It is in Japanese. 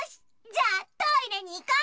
じゃあトイレにいこ！